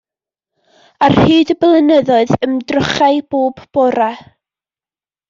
Ar hyd y blynyddoedd, ymdrochai bob bore.